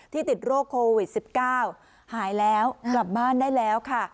ติดโรคโควิด๑๙หายแล้วกลับบ้านได้แล้วค่ะ